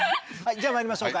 じゃあまいりましょうか